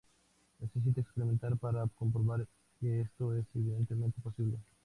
Necesita experimentar para comprobar que esto es evidentemente posible.